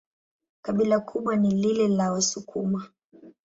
Kabila kubwa ni lile la Wasukuma.